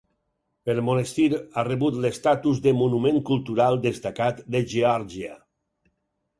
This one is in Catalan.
El monestir ha rebut l'estatus de Monument Cultural destacat de Geòrgia.